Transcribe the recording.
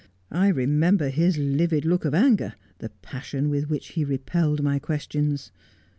' I remember his livid look of anger — the passion with which he repelled my questions.